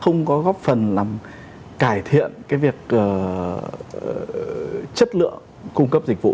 không có góp phần làm cải thiện cái việc chất lượng cung cấp dịch vụ